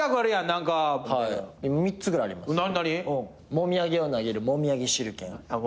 もみ上げを投げる「もみあげ手裏剣」